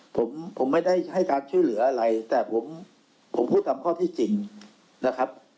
ผมผมไม่ได้ให้การช่วยเหลืออะไรแต่ผมผมพูดตามข้อที่จริงนะครับ